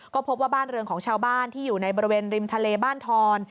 ก็พบว่าบ้านเรืองของชาวบ้านที่อยู่ในบริเวณริมทะเลบ้านทอน